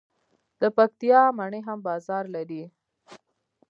د پکتیا مڼې هم بازار لري.